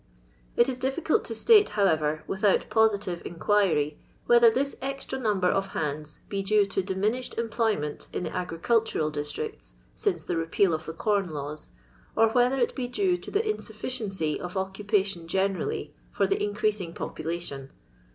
It is difficult to state, however, wthout positive inquiry, whether this extra number of hands bo due to diminished employment in the agricuUunil districts, since the repeal of the Com Laws, or whether it be due to the insufliciency of occu pation generally for the increasing population.